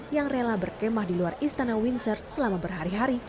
yang rela berkemah di luar istana windsor selama berhari hari